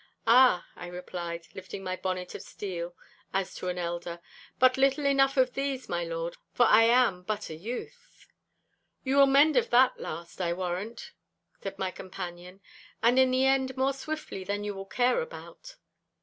'Ah,' I replied, lifting my bonnet of steel as to an elder, 'but little enough of these, my Lord, for I am but a youth.' 'You will mend of that last, I warrant,' said my companion, 'and in the end more swiftly than you will care about.